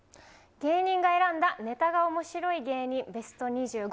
芸人が選んだネタが面白い芸人ベスト２５。